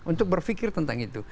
untuk berpikir tentang itu